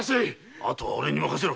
あとはおれに任せろ！